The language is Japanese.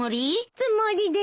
つもりです。